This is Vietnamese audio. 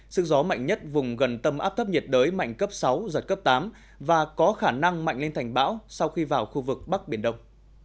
sức gió mạnh nhất vùng gần tâm áp thấp nhiệt đới mạnh cấp sáu giật cấp tám và có khả năng mạnh lên thành bão sau khi vào khu vực bắc biển đông